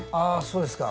そうですか。